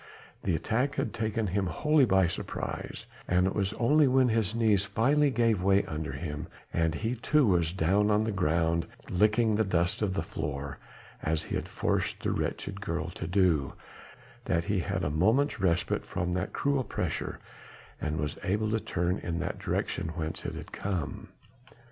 The attack had taken him wholly by surprise and it was only when his knees finally gave way under him, and he too was down on the ground, licking the dust of the floor as he had forced the wretched girl to do that he had a moment's respite from that cruel pressure and was able to turn in the direction whence it had come.